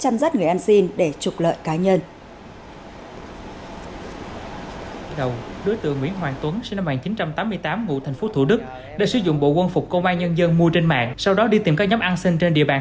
môi giới chăn rắt người ăn xin